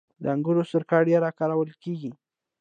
د انګورو سرکه ډیره کارول کیږي.